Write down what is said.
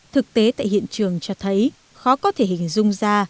thực tế tại hiện trường cho thấy khó có thể hình dung ra